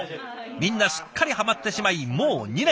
みんなすっかりはまってしまいもう２年。